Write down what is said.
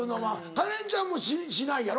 カレンちゃんもしないやろ？